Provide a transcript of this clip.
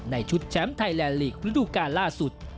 ชุดแชมป์ไทยแลนดลีกระดูกาลล่าสุด